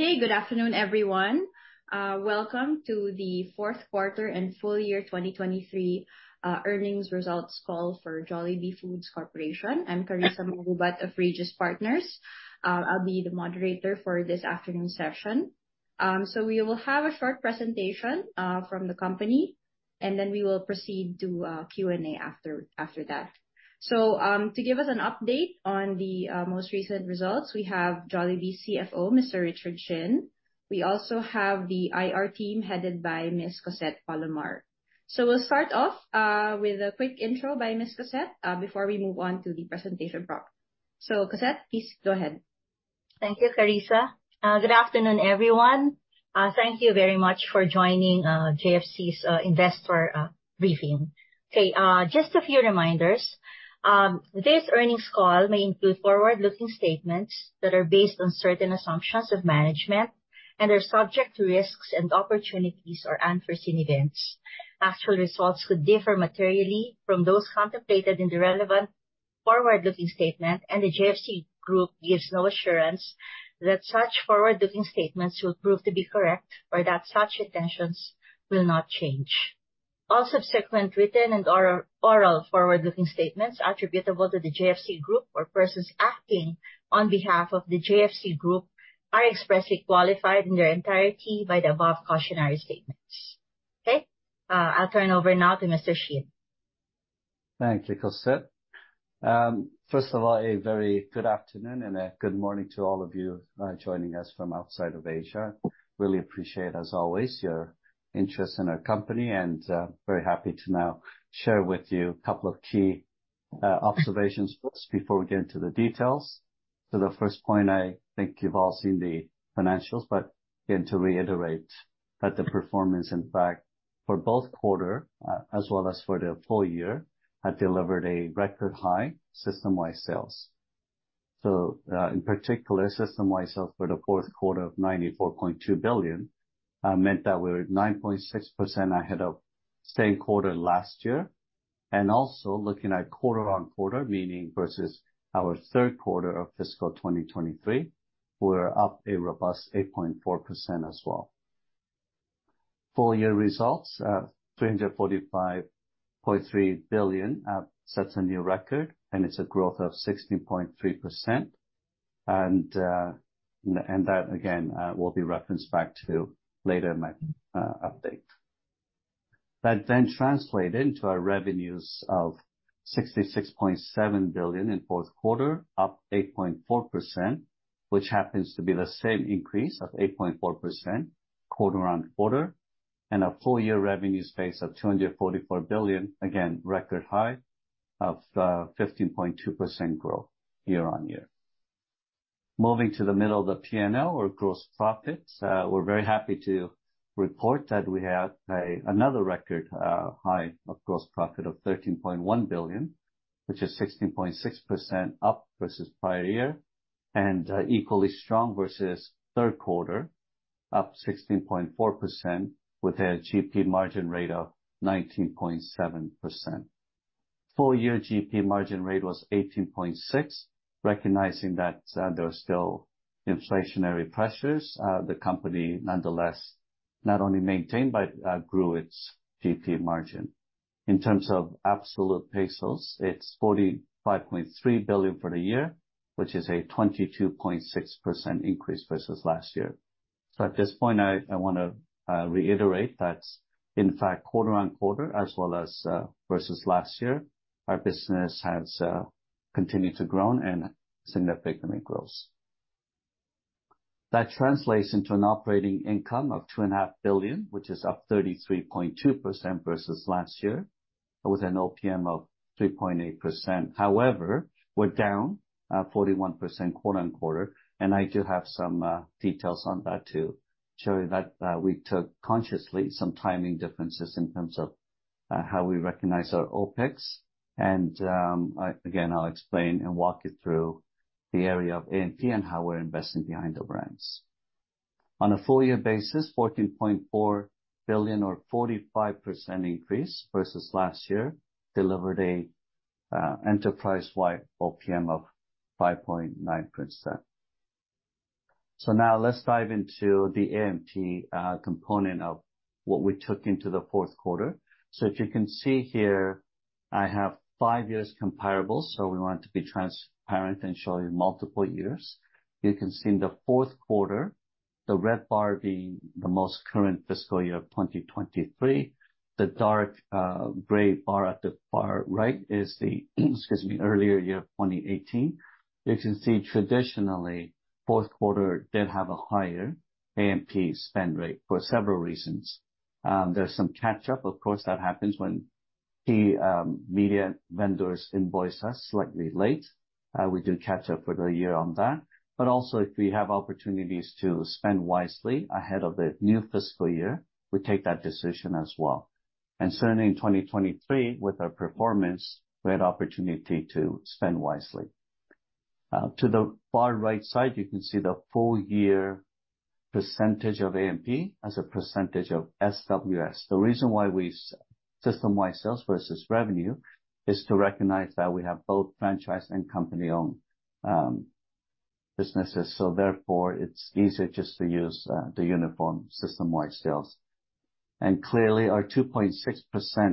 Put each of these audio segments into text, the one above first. Okay, good afternoon, everyone. Welcome to the Fourth Quarter and Full Year 2023 Earnings Results Call for Jollibee Foods Corporation. I'm Carissa Mangubat of Regis Partners. I'll be the moderator for this afternoon session. We will have a short presentation from the company, and then we will proceed to Q&A after that. To give us an update on the most recent results, we have Jollibee CFO Mr. Richard Shin. We also have the IR team headed by Ms. Cosette Palomar. We'll start off with a quick intro by Ms. Cosette before we move on to the presentation proper. Cosette, please go ahead. Thank you, Carissa. Good afternoon, everyone. Thank you very much for joining JFC's investor briefing. Okay, just a few reminders. Today's earnings call may include forward-looking statements that are based on certain assumptions of management and are subject to risks and opportunities or unforeseen events. Actual results could differ materially from those contemplated in the relevant forward-looking statement, and the JFC Group gives no assurance that such forward-looking statements will prove to be correct or that such intentions will not change. All subsequent written and oral forward-looking statements attributable to the JFC Group or persons acting on behalf of the JFC Group are expressly qualified in their entirety by the above cautionary statements. Okay? I'll turn over now to Mr. Shin. Thank you, Cosette. First of all, a very good afternoon and a good morning to all of you, joining us from outside of Asia. Really appreciate, as always, your interest in our company, and, very happy to now share with you a couple of key, observations first before we get into the details. So the first point, I think you've all seen the financials, but again, to reiterate that the performance, in fact, for both quarter, as well as for the full year, had delivered a record high system-wide sales. So, in particular, system-wide sales for the fourth quarter of 94.2 billion, meant that we were 9.6% ahead of same quarter last year. And also, looking at quarter-on-quarter, meaning versus our third quarter of fiscal 2023, we're up a robust 8.4% as well. Full year results, 345.3 billion, sets a new record, and it's a growth of 16.3%. That, again, will be referenced back to later in my update. That then translated into our revenues of 66.7 billion in fourth quarter, up 8.4%, which happens to be the same increase of 8.4% quarter-on-quarter. A full year revenues base of 244 billion, again, record high of 15.2% growth year-on-year. Moving to the middle of the P&L or gross profits, we're very happy to report that we have another record high of gross profit of 13.1 billion, which is 16.6% up versus prior year. Equally strong versus third quarter, up 16.4% with a GP margin rate of 19.7%. Full year GP margin rate was 18.6%, recognizing that there were still inflationary pressures, the company nonetheless not only maintained but grew its GP margin. In terms of absolute payrolls, it's 45.3 billion pesos for the year, which is a 22.6% increase versus last year. So at this point, I want to reiterate that, in fact, quarter-on-quarter, as well as versus last year, our business has continued to grow and significantly grows. That translates into an operating income of 2.5 billion, which is up 33.2% versus last year, with an OPM of 3.8%. However, we're down 41% quarter-on-quarter, and I do have some details on that to show you that we took consciously some timing differences in terms of how we recognize our OPEX. Again, I'll explain and walk you through the area of A&P and how we're investing behind the brands. On a full-year basis, 14.4 billion or 45% increase versus last year delivered a enterprise-wide OPM of 5.9%. So now let's dive into the A&P component of what we took into the fourth quarter. So if you can see here, I have five years comparable, so we want to be transparent and show you multiple years. You can see in the fourth quarter, the red bar being the most current fiscal year of 2023. The dark gray bar at the far right is the, excuse me, earlier year of 2018. You can see traditionally, fourth quarter did have a higher A&P spend rate for several reasons. There’s some catch-up, of course, that happens when key media vendors invoice us slightly late. We do catch up for the year on that. But also, if we have opportunities to spend wisely ahead of the new fiscal year, we take that decision as well. And certainly in 2023, with our performance, we had opportunity to spend wisely. To the far right side, you can see the full year percentage of A&P as a percentage of SWS. The reason why we system-wide sales versus revenue is to recognize that we have both franchise and company-owned businesses, so therefore it's easier just to use the uniform system-wide sales. Clearly, our 2.6%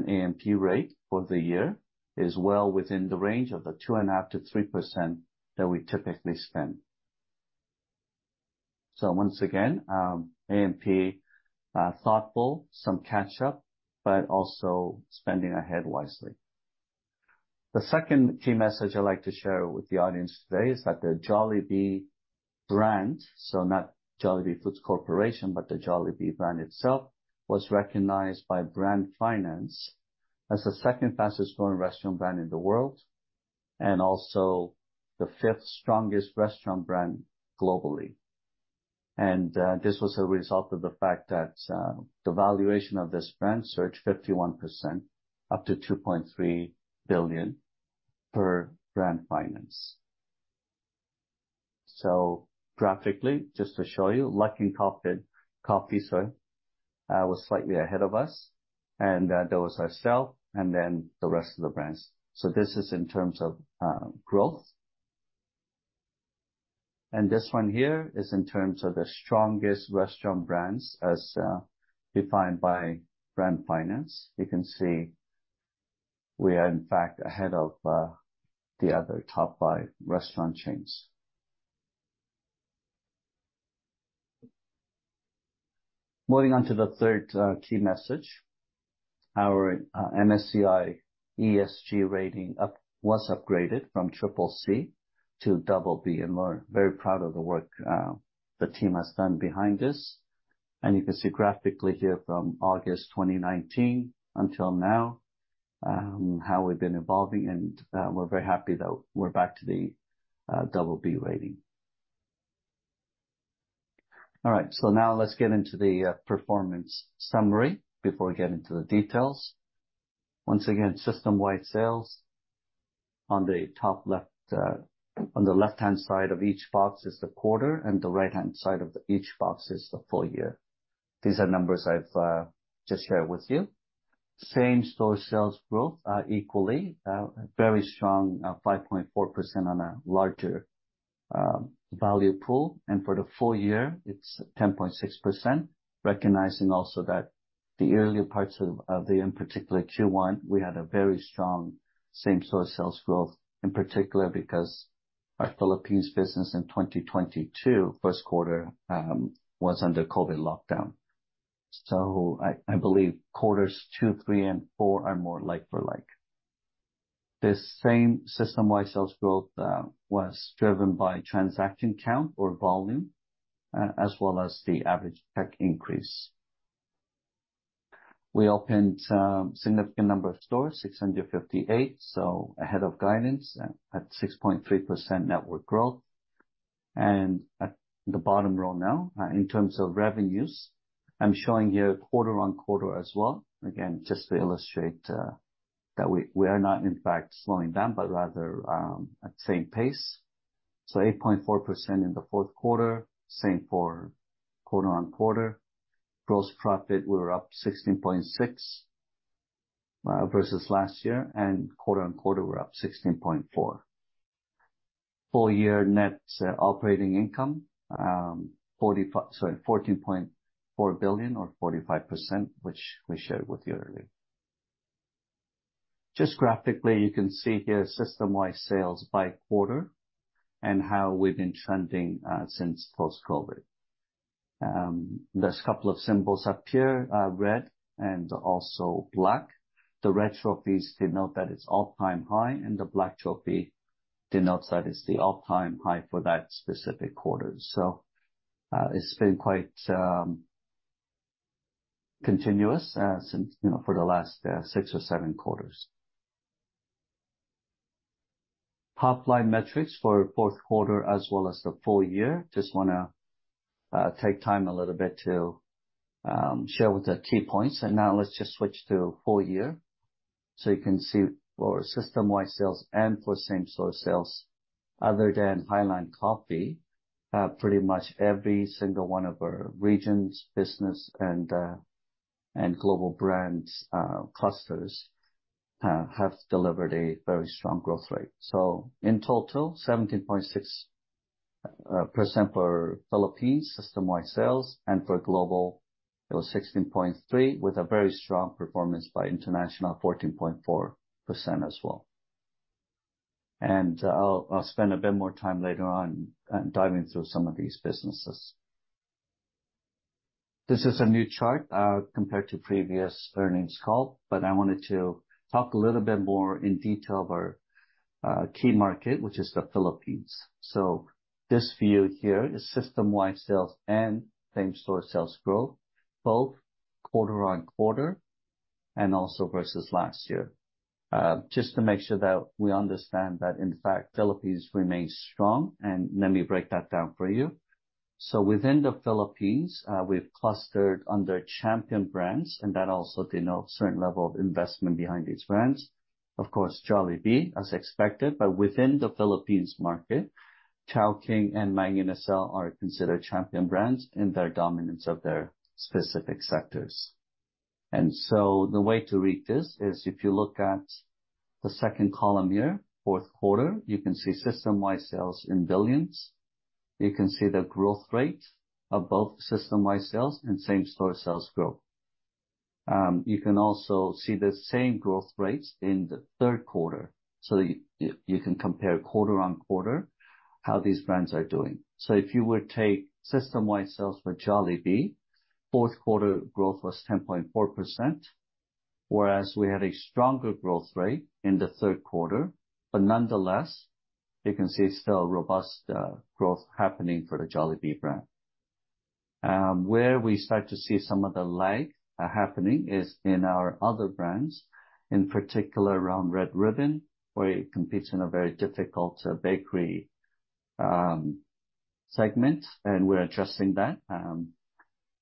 A&P rate for the year is well within the range of the 2.5%-3% that we typically spend. So once again, A&P, thoughtful, some catch-up, but also spending ahead wisely. The second key message I'd like to share with the audience today is that the Jollibee brand, so not Jollibee Foods Corporation, but the Jollibee brand itself, was recognized by Brand Finance as the second fastest-growing restaurant brand in the world and also the fifth strongest restaurant brand globally. This was a result of the fact that the valuation of this brand surged 51% up to $2.3 billion per Brand Finance. Graphically, just to show you, Luckin Coffee, sorry, was slightly ahead of us. There was ourselves and then the rest of the brands. This is in terms of growth. This one here is in terms of the strongest restaurant brands as defined by Brand Finance. You can see we are, in fact, ahead of the other top five restaurant chains. Moving on to the third key message. Our MSCI ESG rating up was upgraded from CCC to BB. We're very proud of the work the team has done behind this. You can see graphically here from August 2019 until now, how we've been evolving. We're very happy that we're back to the BB rating. All right, so now let's get into the performance summary before we get into the details. Once again, system-wide sales. On the top left, on the left-hand side of each box is the quarter, and the right-hand side of each box is the full year. These are numbers I've just shared with you. Same store sales growth, equally, very strong, 5.4% on a larger value pool. And for the full year, it's 10.6%, recognizing also that the earlier parts of the, in particular Q1, we had a very strong same-store sales growth, in particular because our Philippines business in 2022 first quarter was under COVID lockdown. So I believe quarters two, three, and four are more like-for-like. This same system-wide sales growth was driven by transaction count or volume, as well as the average ticket increase. We opened a significant number of stores, 658, so ahead of guidance at 6.3% network growth. At the bottom row now, in terms of revenues, I'm showing here quarter-over-quarter as well. Again, just to illustrate that we are not, in fact, slowing down, but rather at the same pace. So 8.4% in the fourth quarter, same for quarter-over-quarter. Gross profit, we were up 16.6% versus last year, and quarter-over-quarter we're up 16.4%. Full year net operating income, 45, sorry, 14.4 billion or 45%, which we shared with you earlier. Just graphically, you can see here system-wide sales by quarter and how we've been trending since post-COVID. There's a couple of symbols up here, red and also black. The red trophy is to note that it's all-time high, and the black trophy denotes that it's the all-time high for that specific quarter. So it's been quite continuous since, you know, for the last six or seven quarters. Top line metrics for fourth quarter as well as the full year. Just want to take time a little bit to share the key points. Now let's just switch to full year. You can see for system-wide sales and for same-store sales, other than Highlands Coffee, pretty much every single one of our regions, business, and global brands clusters have delivered a very strong growth rate. In total, 17.6% for Philippines system-wide sales, and for global, it was 16.3% with a very strong performance by international, 14.4% as well. I'll spend a bit more time later on diving through some of these businesses. This is a new chart, compared to previous earnings call, but I wanted to talk a little bit more in detail of our key market, which is the Philippines. So this view here is system-wide sales and same-store sales growth, both quarter on quarter and also versus last year. Just to make sure that we understand that, in fact, Philippines remains strong, and let me break that down for you. So within the Philippines, we've clustered under champion brands, and that also denotes a certain level of investment behind these brands. Of course, Jollibee, as expected, but within the Philippines market, Chowking and Mang Inasal are considered champion brands in their dominance of their specific sectors. And so the way to read this is if you look at the second column here, fourth quarter, you can see system-wide sales in billions. You can see the growth rate of both system-wide sales and same-store sales growth. You can also see the same growth rates in the third quarter. So you can compare quarter on quarter how these brands are doing. So if you were to take system-wide sales for Jollibee, fourth quarter growth was 10.4%. Whereas we had a stronger growth rate in the third quarter, but nonetheless, you can see still a robust growth happening for the Jollibee brand. Where we start to see some of the lag happening is in our other brands, in particular around Red Ribbon, where it competes in a very difficult bakery segment, and we're addressing that.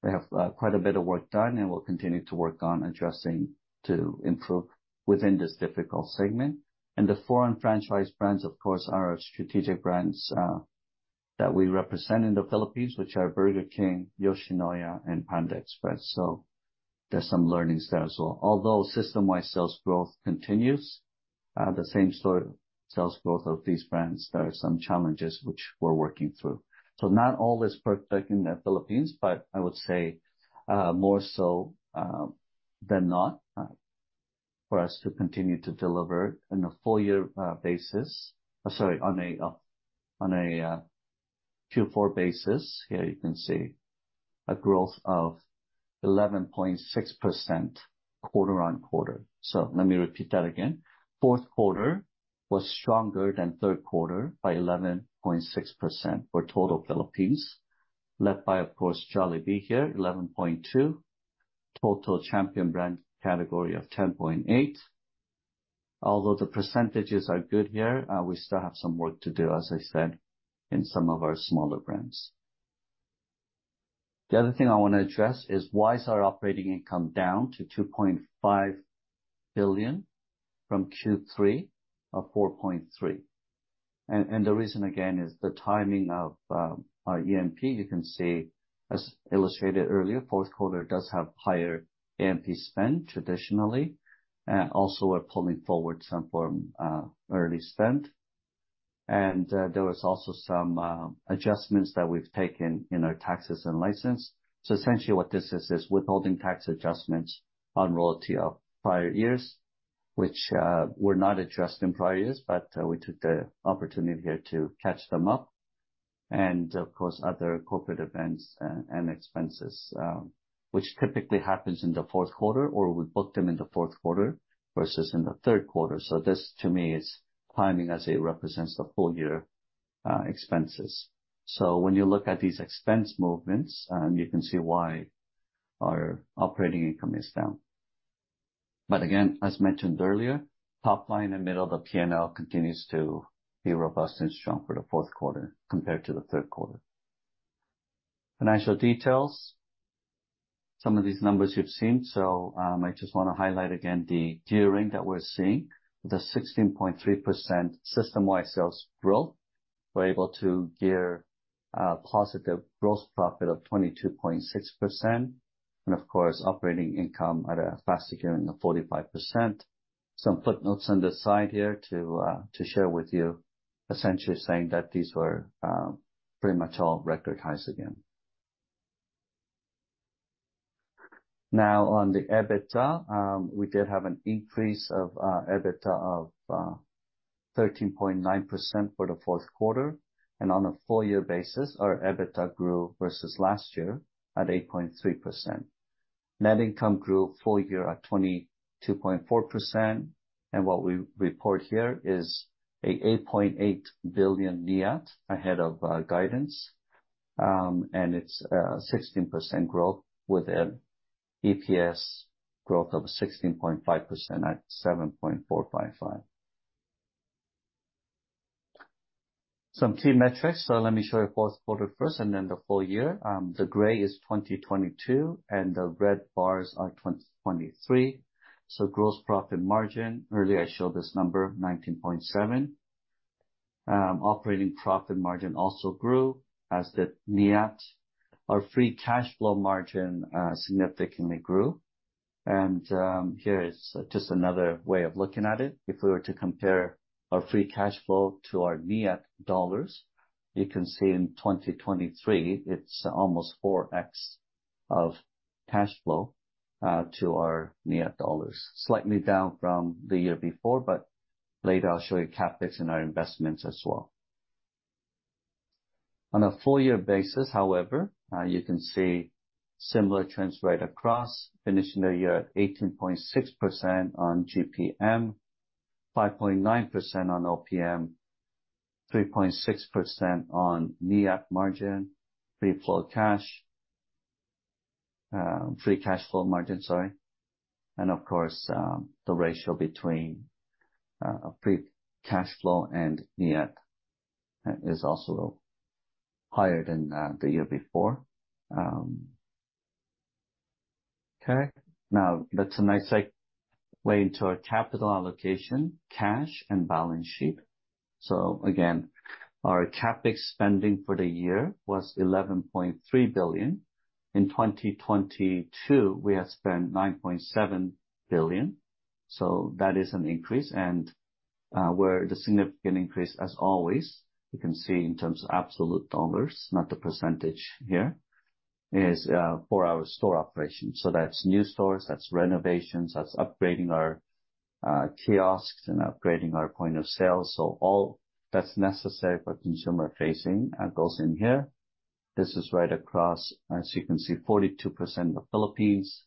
They have quite a bit of work done, and we'll continue to work on addressing to improve within this difficult segment. And the foreign franchise brands, of course, are our strategic brands that we represent in the Philippines, which are Burger King, Yoshinoya, and Panda Express. So there's some learnings there as well. Although system-wide sales growth continues, the same-store sales growth of these brands, there are some challenges which we're working through. So not all is perfect in the Philippines, but I would say, more so than not, for us to continue to deliver on a full-year basis. Sorry, on a Q4 basis. Here you can see a growth of 11.6% quarter-on-quarter. So let me repeat that again. Fourth quarter was stronger than third quarter by 11.6% for total Philippines. Led by, of course, Jollibee here, 11.2%. Total champion brand category of 10.8%. Although the percentages are good here, we still have some work to do, as I said, in some of our smaller brands. The other thing I want to address is why is our operating income down to 2.5 billion from Q3 of 4.3 billion? And the reason, again, is the timing of our A&P. You can see, as illustrated earlier, fourth quarter does have higher A&P spend traditionally. Also, we're pulling forward some from early spend. There was also some adjustments that we've taken in our taxes and license. So essentially what this is, is withholding tax adjustments on royalty of prior years, which were not addressed in prior years, but we took the opportunity here to catch them up. Of course, other corporate events and expenses, which typically happens in the fourth quarter, or we booked them in the fourth quarter versus in the third quarter. This, to me, is timing as it represents the full-year expenses. When you look at these expense movements, you can see why our operating income is down. But again, as mentioned earlier, top line in the middle of the P&L continues to be robust and strong for the fourth quarter compared to the third quarter. Financial details. Some of these numbers you've seen, so I just want to highlight again the gearing that we're seeing. The 16.3% system-wide sales growth. We're able to gear, positive gross profit of 22.6%. And of course, operating income at a faster gearing of 45%. Some footnotes on the side here to, to share with you. Essentially saying that these were, pretty much all record highs again. Now on the EBITDA, we did have an increase of, EBITDA of, 13.9% for the fourth quarter. And on a full-year basis, our EBITDA grew versus last year at 8.3%. Net income grew full year at 22.4%. And what we report here is a 8.8 billion NIAT ahead of guidance. And it's a 16% growth with an EPS growth of 16.5% at 7.455. Some key metrics, so let me show you fourth quarter first and then the full year. The gray is 2022 and the red bars are 2023. So gross profit margin, earlier I showed this number 19.7%. Operating profit margin also grew as the NIAT. Our free cash flow margin significantly grew. And here is just another way of looking at it. If we were to compare our free cash flow to our NIAT dollars, you can see in 2023, it's almost 4x of cash flow to our NIAT dollars. Slightly down from the year before, but later I'll show you capex in our investments as well. On a full-year basis, however, you can see similar trends right across, finishing the year at 18.6% on GPM, 5.9% on OPM, 3.6% on NIAT margin, free cash flow margin, sorry. And of course, the ratio between free cash flow and NIAT is also higher than the year before. Okay, now that's a nice way into our capital allocation, cash, and balance sheet. So again, our capex spending for the year was 11.3 billion. In 2022, we have spent 9.7 billion. So that is an increase and, where the significant increase, as always, you can see in terms of absolute dollars, not the percentage here, is, for our store operations. So that's new stores, that's renovations, that's upgrading our kiosks and upgrading our point of sale. So all that's necessary for consumer-facing goes in here. This is right across, as you can see, 42% of the Philippines.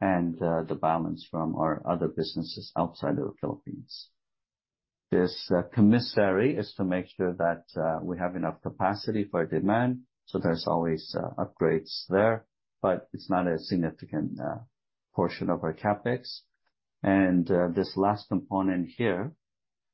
And the balance from our other businesses outside of the Philippines. This commissary is to make sure that we have enough capacity for demand. So there's always upgrades there, but it's not a significant portion of our capex. And this last component here,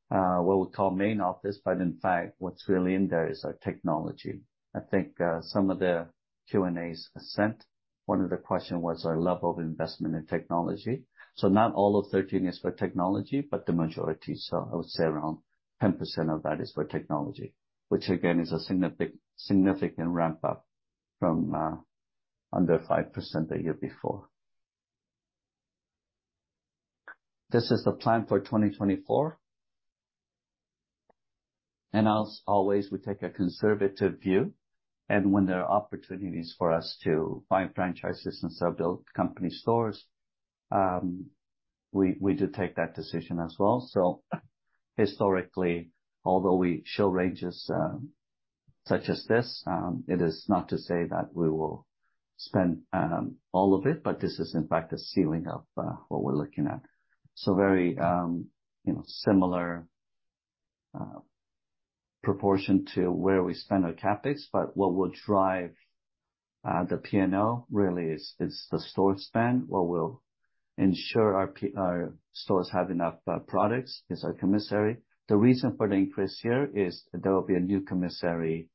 what we call main office, but in fact, what's really in there is our technology. I think some of the Q&As sent, one of the questions was our level of investment in technology. So not all of 13 is for technology, but the majority. So I would say around 10% of that is for technology, which again is a significant, significant ramp-up from under 5% the year before. This is the plan for 2024. And as always, we take a conservative view. And when there are opportunities for us to buy franchises and or build company stores, we do take that decision as well. So historically, although we show ranges, such as this, it is not to say that we will spend all of it, but this is in fact the ceiling of what we're looking at. So very, you know, similar proportion to where we spend our CapEx, but what will drive the P&L really is it's the store spend. What will ensure our stores have enough products is our commissary. The reason for the increase here is there will be a new commissary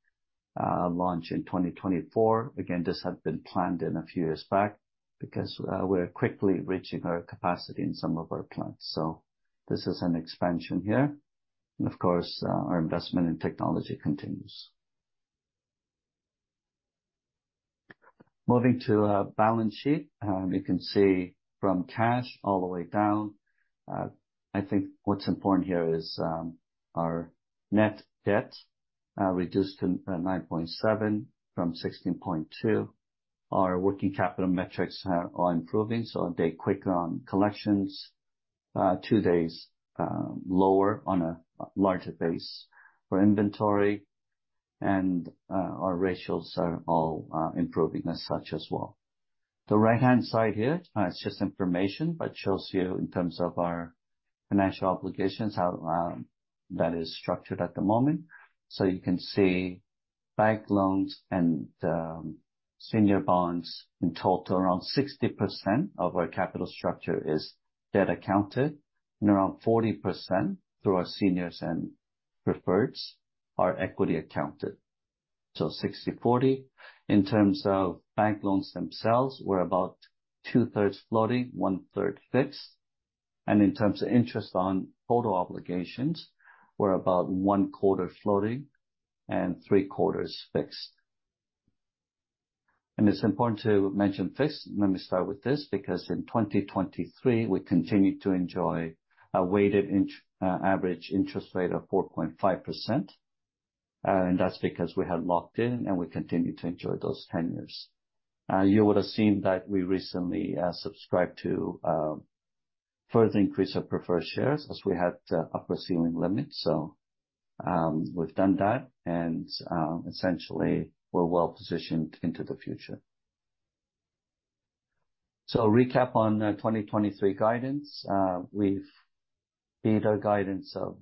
launch in 2024. Again, this had been planned a few years back because we're quickly reaching our capacity in some of our plants. So this is an expansion here. And of course, our investment in technology continues. Moving to a balance sheet, you can see from cash all the way down. I think what's important here is our net debt reduced to 9.7% from 16.2%. Our working capital metrics are all improving. So a day quicker on collections, two days lower on a larger base for inventory. And our ratios are all improving as such as well. The right-hand side here, it's just information, but shows you in terms of our financial obligations, how that is structured at the moment. So you can see bank loans and senior bonds in total, around 60% of our capital structure is debt accounted and around 40% through our seniors and preferreds are equity accounted. So 60-40. In terms of bank loans themselves, we're about 2/3 floating, 1/3 fixed. And in terms of interest on total obligations, we're about 1/4 floating and 3/4 fixed. And it's important to mention fixed. Let me start with this because in 2023, we continued to enjoy a weighted average interest rate of 4.5%. And that's because we had locked in and we continue to enjoy those 10 years. You would have seen that we recently subscribed to further increase of preferred shares as we had upper ceiling limits. So, we've done that and, essentially we're well positioned into the future. So recap on 2023 guidance. We've beat our guidance of,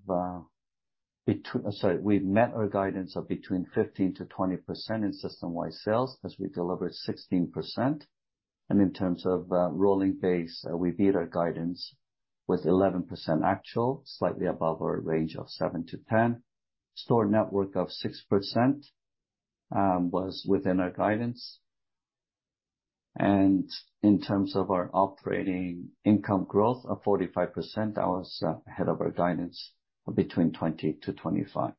between, sorry, we've met our guidance of between 15%-20% in system-wide sales as we delivered 16%. And in terms of rolling base, we beat our guidance with 11% actual, slightly above our range of 7%-10%. Store network of 6% was within our guidance. And in terms of our operating income growth of 45%, that was ahead of our guidance of between 20%-25%.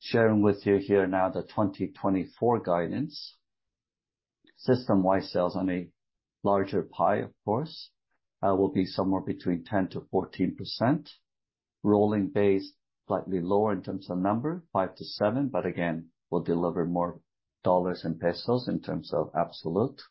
Sharing with you here now the 2024 guidance. System-wide sales on a larger pie, of course, will be somewhere between 10%-14%. Rolling base slightly lower in terms of number, 5-7, but again, we'll deliver more dollars and pesos in terms of absolute.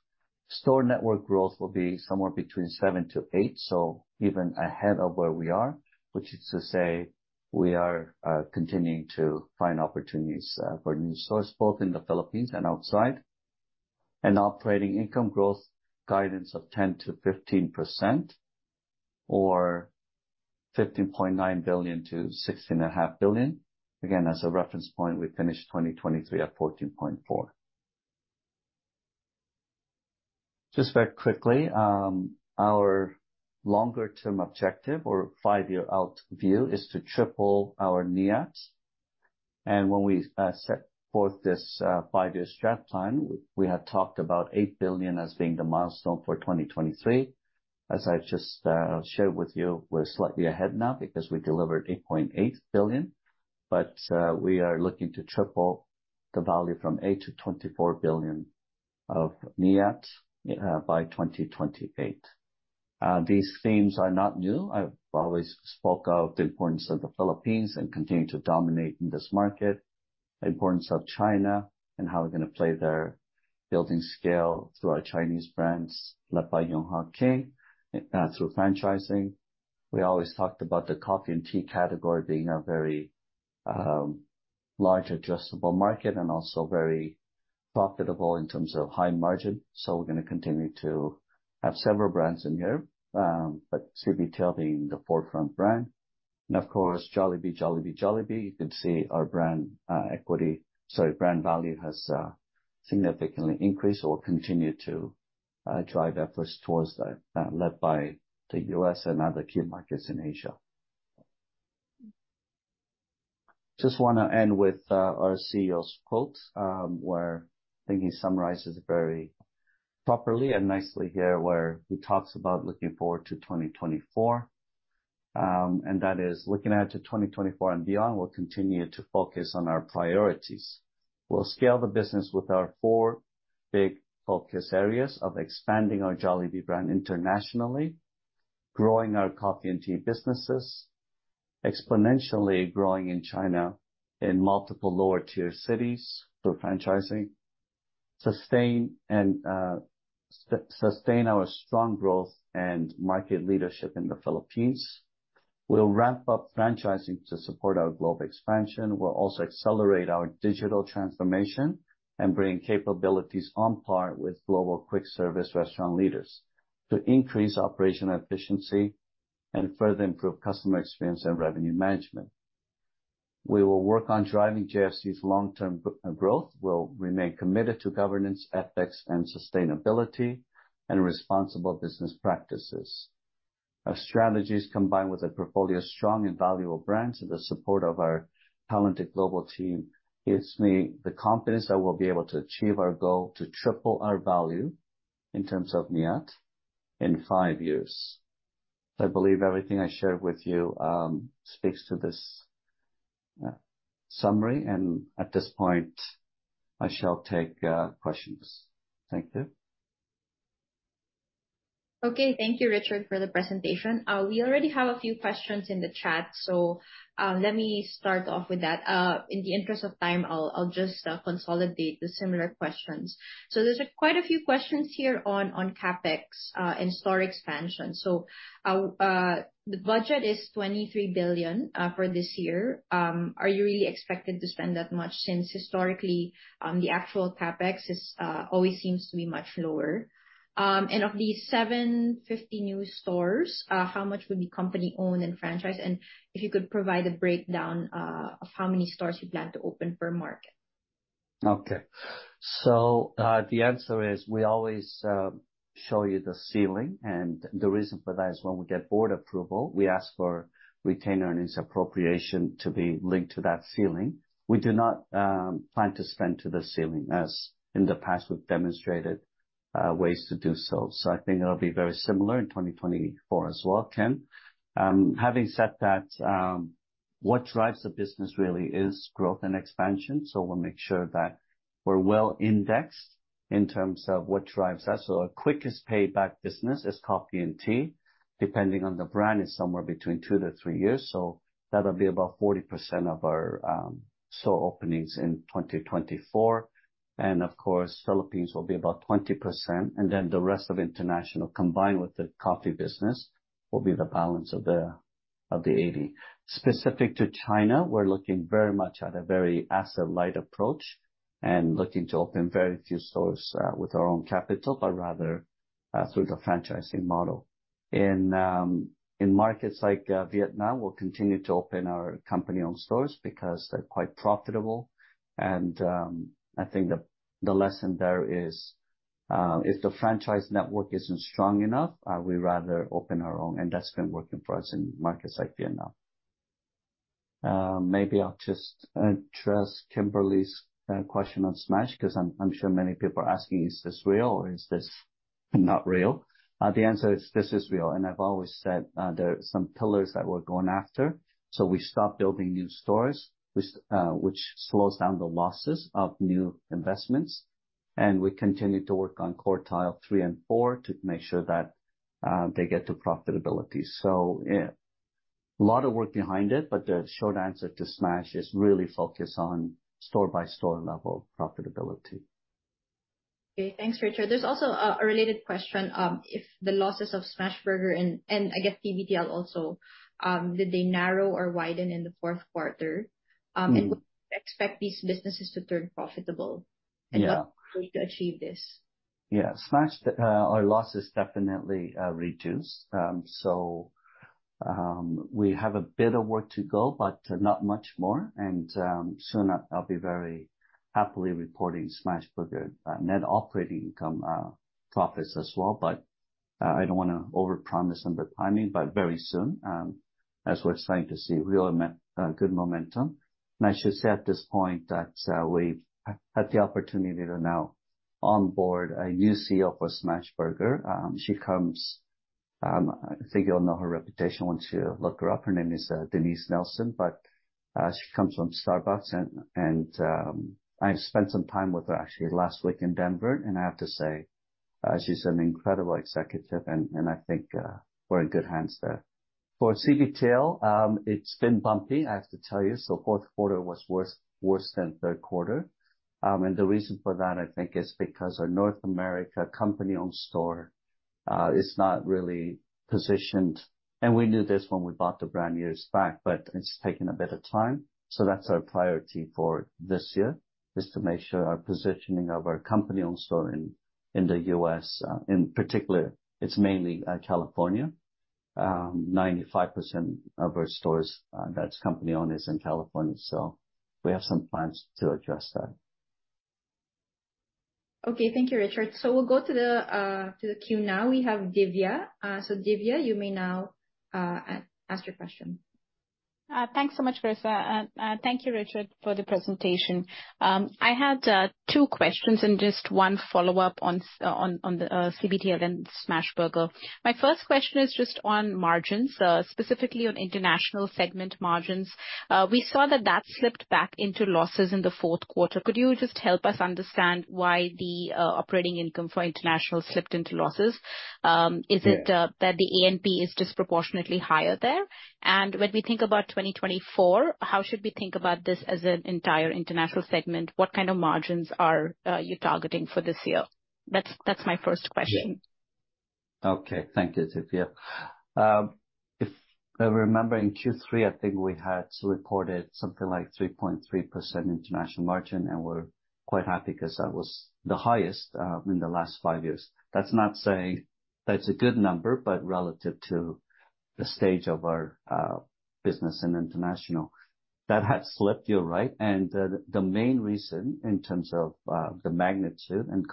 Store network growth will be somewhere between 7-8, so even ahead of where we are, which is to say we are continuing to find opportunities for new stores, both in the Philippines and outside. Operating income growth guidance of 10%-15%. Or 15.9 billion-16.5 billion. Again, as a reference point, we finished 2023 at 14.4%. Just very quickly, our longer-term objective or five-year out view is to triple our NIAT. And when we set forth this five-year strategic plan, we had talked about 8 billion as being the milestone for 2023. As I just shared with you, we're slightly ahead now because we delivered 8.8 billion. But we are looking to triple the value from 8 billion to 24 billion of NIAT by 2028. These themes are not new. I've always spoke of the importance of the Philippines and continue to dominate in this market. The importance of China and how we're going to play there building scale through our Chinese brands, led by Yonghe King, through franchising. We always talked about the coffee and tea category being a very large addressable market and also very profitable in terms of high margin. So we're going to continue to have several brands in here, but CBTL being the forefront brand. And of course, Jollibee, Jollibee, Jollibee, you can see our brand equity, sorry, brand value has significantly increased or will continue to drive efforts towards that, led by the U.S. and other key markets in Asia. Just want to end with our CEO's quote where I think he summarizes very properly and nicely here where he talks about looking forward to 2024. And that is looking ahead to 2024 and beyond, we'll continue to focus on our priorities. We'll scale the business with our four big focus areas of expanding our Jollibee brand internationally, growing our coffee and tea businesses, exponentially growing in China in multiple lower-tier cities through franchising, sustain and sustain our strong growth and market leadership in the Philippines. We'll ramp up franchising to support our global expansion. We'll also accelerate our digital transformation and bring capabilities on par with global quick service restaurant leaders to increase operational efficiency and further improve customer experience and revenue management. We will work on driving JFC's long-term growth. We'll remain committed to governance, ethics, and sustainability and responsible business practices. Our strategies combined with a portfolio of strong and valuable brands and the support of our talented global team gives me the confidence that we'll be able to achieve our goal to triple our value in terms of NIAT in five years. I believe everything I shared with you speaks to this summary and at this point, I shall take questions. Thank you. Okay, thank you, Richard, for the presentation. We already have a few questions in the chat, so let me start off with that. In the interest of time, I'll just consolidate the similar questions. So there's quite a few questions here on Capex and store expansion. So the budget is 23 billion for this year. Are you really expected to spend that much since historically the actual Capex always seems to be much lower? And of these 750 new stores, how much would be company-owned and franchised? And if you could provide a breakdown of how many stores you plan to open per market. Okay. So the answer is we always show you the ceiling and the reason for that is when we get board approval, we ask for retainer and its appropriation to be linked to that ceiling. We do not plan to spend to the ceiling as in the past we've demonstrated ways to do so. So I think it'll be very similar in 2024 as well, Ken. Having said that, what drives the business really is growth and expansion. So we'll make sure that we're well indexed in terms of what drives us. So our quickest payback business is coffee and tea. Depending on the brand, it's somewhere between 2-3 years. So that'll be about 40% of our store openings in 2024. And of course, Philippines will be about 20%. And then the rest of international combined with the coffee business will be the balance of the 80. Specific to China, we're looking very much at a very asset-light approach and looking to open very few stores with our own capital, but rather through the franchising model. In markets like Vietnam, we'll continue to open our company-owned stores because they're quite profitable. And I think the lesson there is if the franchise network isn't strong enough, we'd rather open our own. And that's been working for us in markets like Vietnam. Maybe I'll just address Kimberly's question on Smash because I'm sure many people are asking, is this real or is this not real? The answer is this is real. And I've always said there are some pillars that we're going after. So we stop building new stores, which slows down the losses of new investments. And we continue to work on quartile three and four to make sure that they get to profitability. So yeah, a lot of work behind it, but the short answer to Smash is really focus on store-by-store level profitability. Okay, thanks, Richard. There's also a related question. If the losses of Smashburger and I guess CBTL also, did they narrow or widen in the fourth quarter? And would you expect these businesses to turn profitable? And what way to achieve this? Yeah, Smash, our losses definitely reduced. So we have a bit of work to go, but not much more. And soon I'll be very happily reporting Smashburger net operating income profits as well, but I don't want to overpromise on the timing, but very soon, as we're starting to see real good momentum. And I should say at this point that we've had the opportunity to now onboard a new CEO for Smashburger. She comes, I think you'll know her reputation once you look her up. Her name is Denise Nelson, but she comes from Starbucks and I've spent some time with her actually last week in Denver. I have to say, she's an incredible executive and I think we're in good hands there. For CBTL, it's been bumpy, I have to tell you. Fourth quarter was worse than third quarter. The reason for that, I think, is because our North America company-owned store is not really positioned. We knew this when we bought the brand years back, but it's taken a bit of time. That's our priority for this year, is to make sure our positioning of our company-owned store in the U.S., in particular, it's mainly California. 95% of our stores that's company-owned is in California. We have some plans to address that. Okay, thank you, Richard. So we'll go to the queue now. We have Divya. So Divya, you may now ask your question. Thanks so much, Carissa. And thank you, Richard, for the presentation. I had two questions and just one follow-up on the CBTL and Smashburger. My first question is just on margins, specifically on international segment margins. We saw that slipped back into losses in the fourth quarter. Could you just help us understand why the operating income for international slipped into losses? Is it that the A&P is disproportionately higher there? And when we think about 2024, how should we think about this as an entire international segment? What kind of margins are you targeting for this year? That's my first question. Okay, thank you, Divya. If I remember in Q3, I think we had reported something like 3.3% international margin and we're quite happy because that was the highest in the last five years. That's not saying that's a good number, but relative to the stage of our business in international. That had slipped, you're right. And the main reason in terms of the magnitude and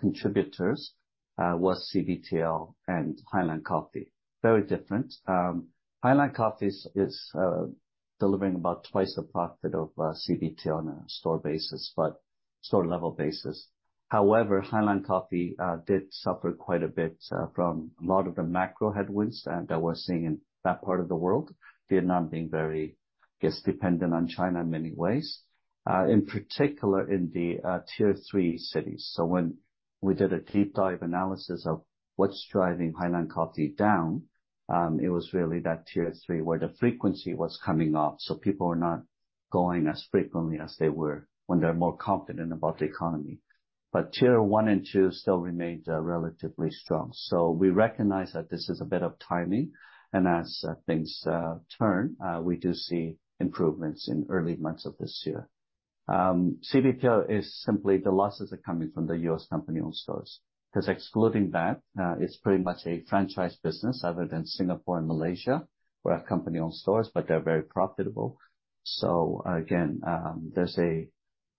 contributors was CBTL and Highlands Coffee. Very different. Highlands Coffee is delivering about twice the profit of CBTL on a store basis, but store-level basis. However, Highlands Coffee did suffer quite a bit from a lot of the macro headwinds that we're seeing in that part of the world, Vietnam being very, I guess, dependent on China in many ways. In particular, in the tier three cities. So when we did a deep dive analysis of what's driving Highlands Coffee down, it was really that tier three where the frequency was coming off. So people were not going as frequently as they were when they're more confident about the economy. But tier one and two still remained relatively strong. So we recognize that this is a bit of timing. And as things turn, we do see improvements in early months of this year. CBTL is simply the losses are coming from the U.S. company-owned stores. Because excluding that, it's pretty much a franchise business other than Singapore and Malaysia. We're a company-owned stores, but they're very profitable. So again, there's a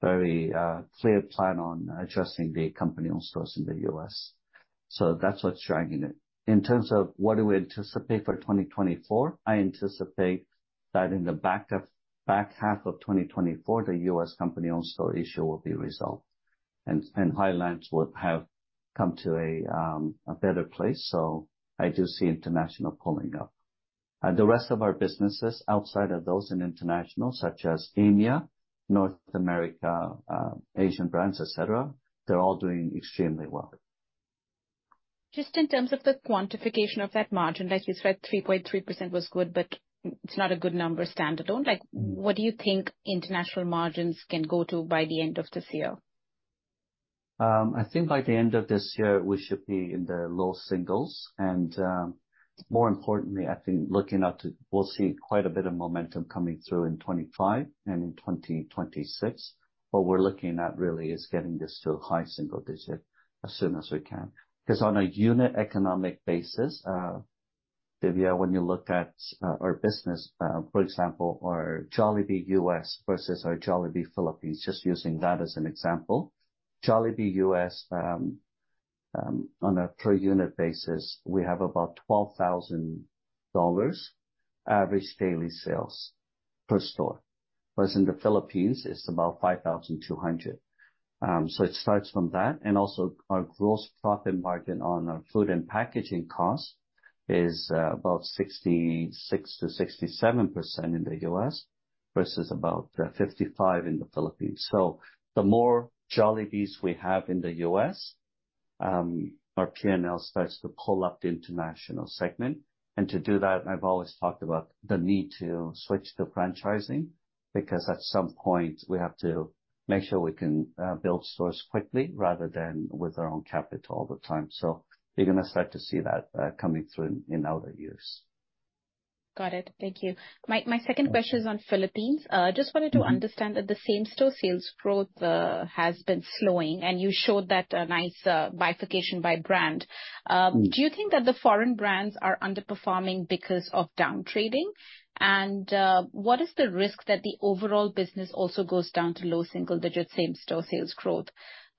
very clear plan on addressing the company-owned stores in the U.S. So that's what's dragging it. In terms of what do we anticipate for 2024, I anticipate that in the back half of 2024, the U.S. company-owned store issue will be resolved. And Highlands would have come to a better place. So I do see international pulling up. The rest of our businesses outside of those in international, such as Asia, North America, Asian brands, etc., they're all doing extremely well. Just in terms of the quantification of that margin, like you said, 3.3% was good, but it's not a good number standalone. What do you think international margins can go to by the end of this year? I think by the end of this year, we should be in the low singles. And more importantly, I think looking out to, we'll see quite a bit of momentum coming through in 2025 and in 2026. What we're looking at really is getting this to a high single digit as soon as we can. Because on a unit economic basis, Divya, when you look at our business, for example, our Jollibee U.S. versus our Jollibee Philippines, just using that as an example, Jollibee U.S., on a per unit basis, we have about $12,000 average daily sales per store. Whereas in the Philippines, it's about 5,200. So it starts from that. And also our gross profit margin on our food and packaging cost is about 66%-67% in the U.S. versus about 55% in the Philippines. So the more Jollibees we have in the U.S., our P&L starts to pull up the international segment. To do that, I've always talked about the need to switch to franchising because at some point, we have to make sure we can build stores quickly rather than with our own capital all the time. You're going to start to see that coming through in other years. Got it. Thank you. My second question is on Philippines. I just wanted to understand that the same store sales growth has been slowing and you showed that nice bifurcation by brand. Do you think that the foreign brands are underperforming because of downtrading? And what is the risk that the overall business also goes down to low single digit same store sales growth?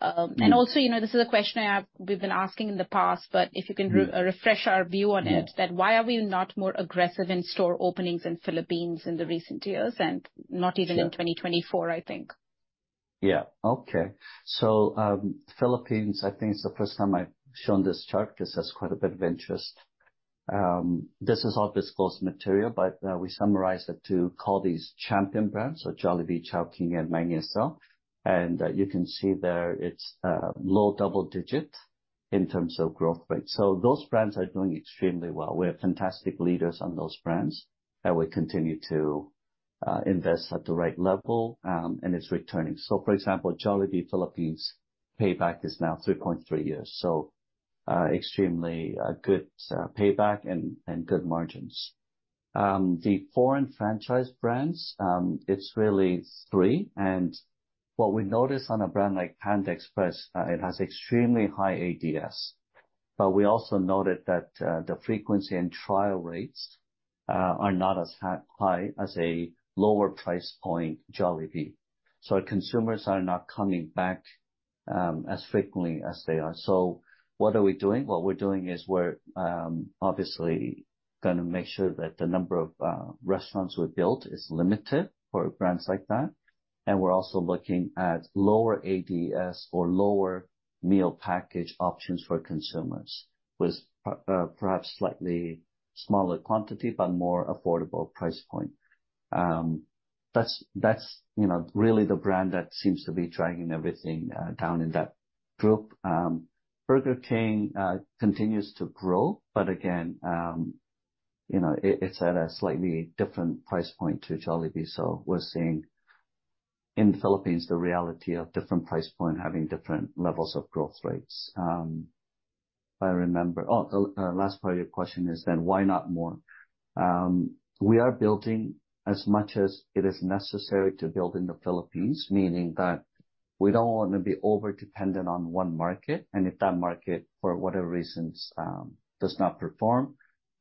And also, you know this is a question we've been asking in the past, but if you can refresh our view on it, why are we not more aggressive in store openings in the Philippines in the recent years and not even in 2024, I think? Yeah, okay. So Philippines, I think it's the first time I've shown this chart because that's quite a bit of interest. This is all disclosed material, but we summarize it to call these champion brands, so Jollibee, Chowking, and Mang Inasal. And you can see there it's low double-digit in terms of growth rate. So those brands are doing extremely well. We're fantastic leaders on those brands. And we continue to invest at the right level and it's returning. So for example, Jollibee Philippines payback is now 3.3 years. So extremely good payback and good margins. The foreign franchise brands, it's really three. What we notice on a brand like Panda Express, it has extremely high ADS. But we also noted that the frequency and trial rates are not as high as a lower price point Jollibee. So our consumers are not coming back as frequently as they are. So what are we doing? What we're doing is we're obviously going to make sure that the number of restaurants we built is limited for brands like that. And we're also looking at lower ADS or lower meal package options for consumers with perhaps slightly smaller quantity, but more affordable price point. That's really the brand that seems to be dragging everything down in that group. Burger King continues to grow, but again, you know it's at a slightly different price point to Jollibee. So we're seeing in the Philippines, the reality of different price point having different levels of growth rates. If I remember, oh, the last part of your question is then why not more? We are building as much as it is necessary to build in the Philippines, meaning that we don't want to be overdependent on one market. And if that market, for whatever reasons, does not perform,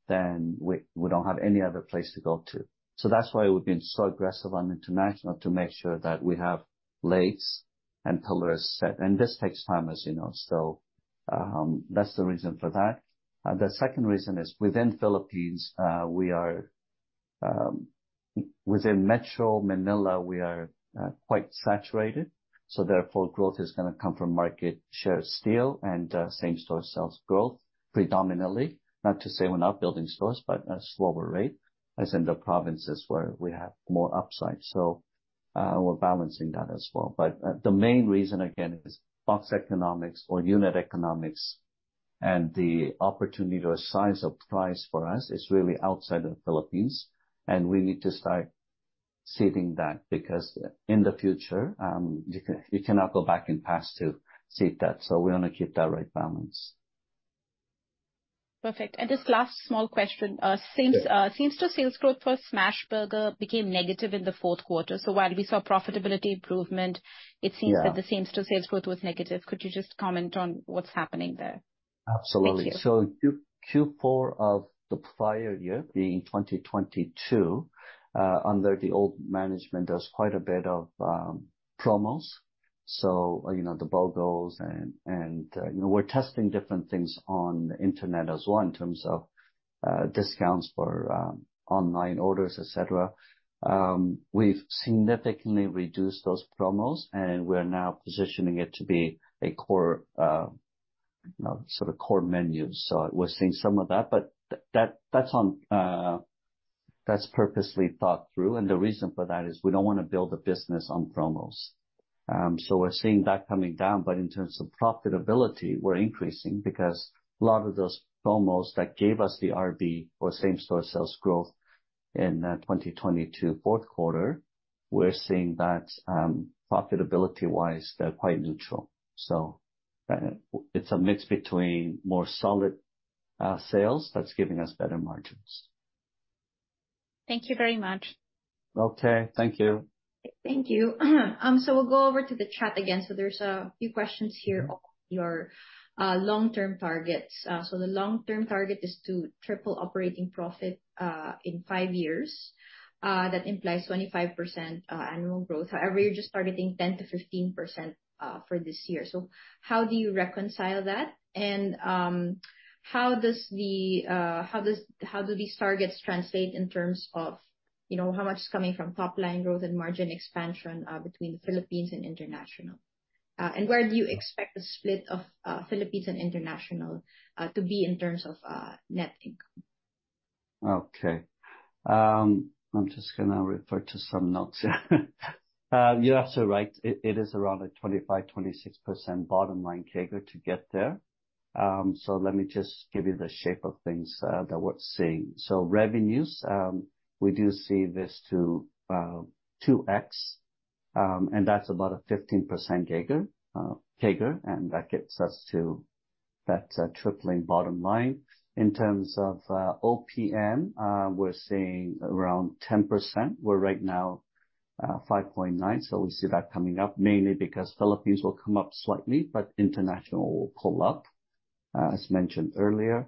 then we don't have any other place to go to. So that's why we've been so aggressive on international to make sure that we have legs and pillars set. And this takes time, as you know. So that's the reason for that. The second reason is within Philippines, we are within Metro Manila, we are quite saturated. So therefore, growth is going to come from market share steal and same store sales growth predominantly, not to say we're not building stores, but a slower rate as in the provinces where we have more upside. So we're balancing that as well. But the main reason, again, is box economics or unit economics and the opportunity to assign a price for us is really outside of the Philippines. We need to start seating that because in the future, you cannot go back in past to seat that. So we want to keep that right balance. Perfect. This last small question, same store sales growth for Smashburger became negative in the fourth quarter. So while we saw profitability improvement, it seems that the same store sales growth was negative. Could you just comment on what's happening there? Absolutely. Q4 of the prior year, being 2022, under the old management, there's quite a bit of promos. So you know the BOGOs and you know we're testing different things on the internet as well in terms of discounts for online orders, etc. We've significantly reduced those promos and we're now positioning it to be a core sort of core menu. So we're seeing some of that, but that's purposely thought through. The reason for that is we don't want to build a business on promos. So we're seeing that coming down, but in terms of profitability, we're increasing because a lot of those promos that gave us the RB or same store sales growth in 2022 fourth quarter, we're seeing that profitability-wise, they're quite neutral. So it's a mix between more solid sales that's giving us better margins. Thank you very much. Okay, thank you. Thank you. We'll go over to the chat again. There's a few questions here. Your long-term targets. The long-term target is to triple operating profit in 5 years. That implies 25% annual growth. However, you're just targeting 10%-15% for this year. So how do you reconcile that? And how does the how do these targets translate in terms of you know how much is coming from top-line growth and margin expansion between the Philippines and international? And where do you expect the split of Philippines and international to be in terms of net income? Okay. I'm just going to refer to some notes. You're absolutely right. It is around a 25%-26% bottom line CAGR to get there. So let me just give you the shape of things that we're seeing. So revenues, we do see this to 2x. And that's about a 15% CAGR. And that gets us to that tripling bottom line. In terms of OPM, we're seeing around 10%. We're right now 5.9%. So we see that coming up mainly because Philippines will come up slightly, but international will pull up, as mentioned earlier.